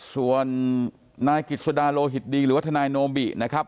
ส่วนนายกิจสดาโลหิตดีหรือว่าทนายโนบินะครับ